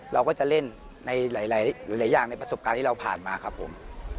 เราก็จะเล่นในหลายอย่างในประสบการณ์ที่เราผ่านมาครับผม